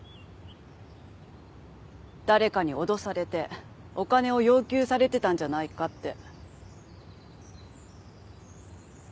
誰かに脅されてお金を要求されてたんじゃないかって。